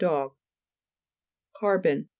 Dog. CAR'BOX fr.